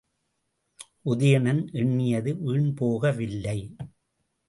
உதயணன் எண்ணியது வீண்போகவில்லை.